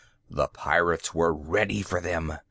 The Pirates were ready for them.